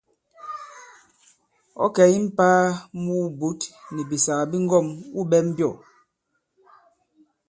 Ɔ̌ kɛ̀ i mpāa mu wubǔt nì bìsàgà bi ŋgɔ᷇m wû ɓɛ mbyɔ̂?